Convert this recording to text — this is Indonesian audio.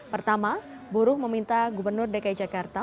pertama buruh meminta gubernur dki jakarta